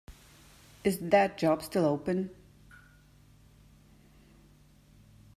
Is that job still open?